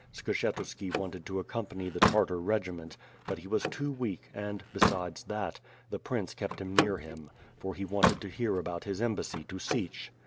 Skshetuski wanted to accom pany the Tartar regiment, but he was too weak and, besides that, the prince kept him near him, for he wanted to hear about his embassy to Sich.